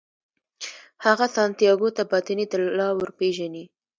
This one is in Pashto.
هغه سانتیاګو ته باطني طلا ورپېژني.